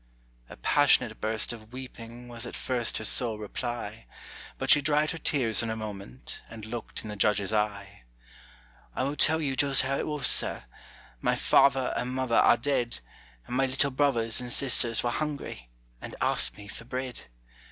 A passionate burst of weeping Was at first her sole reply; But she dried her tears in a moment, And looked in the judge's eye. "I will tell you just how it was, sir; My father and mother are dead, And my little brothers and sisters Were hungry, and asked me for bread.